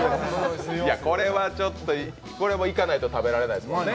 これは行かないと食べられないですもんね。